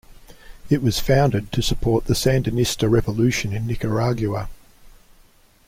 It was founded to support the Sandinista revolution in Nicaragua.